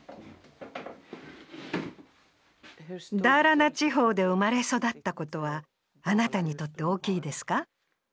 ダーラナ地方で生まれ育ったことはあなたにとって大きいですか？